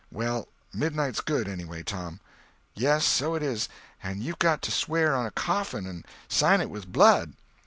"Well, midnight's good, anyway, Tom." "Yes, so it is. And you've got to swear on a coffin, and sign it with blood."